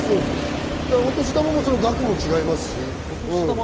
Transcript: お年玉の額も違いますし。